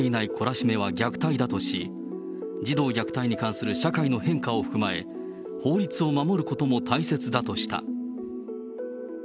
しめは虐待だとし、児童虐待に関する社会の変化を踏まえ、法律を守ることも大切だとした。